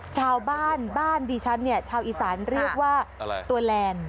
ชาวบ้านบ้านดิฉันเนี่ยชาวอีสานเรียกว่าตัวแลนด์